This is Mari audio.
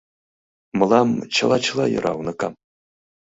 — Мылам чыла-чыла йӧра, уныкам.